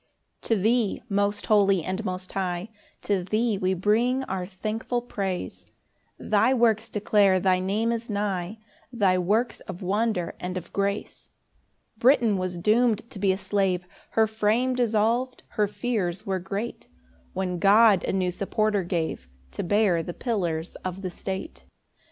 1 To thee, most holy, and most high, To thee, we bring our thankful praise; Thy works declare thy name is nigh, Thy works of wonder and of grace. 2 Britain was doom'd to be a slave, Her frame dissolv'd, her fears were great; When God a new supporter gave To bear the pillars of the state.